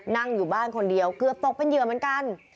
นั่งอยู่บ้านคนเดียวเกือบตกเป็นเหยื่อเหมือนกัน